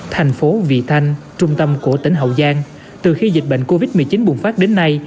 thành phố vị thanh trung tâm của tỉnh hậu giang từ khi dịch bệnh covid một mươi chín bùng phát đến nay